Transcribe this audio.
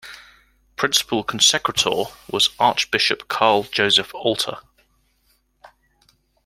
Principal Consecrator was Archbishop Karl Joseph Alter.